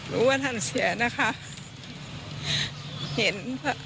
รู้ว่าท่านเสียนะค่ะ